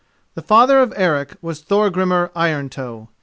The father of Eric was Thorgrimur Iron Toe.